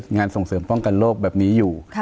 งานส่งเสริมป้องกันโรคแบบนี้อยู่